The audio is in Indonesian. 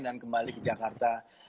dan kembali ke jakarta